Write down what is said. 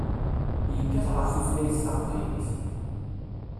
Yekkat ɣef tutlayt taqbaylit.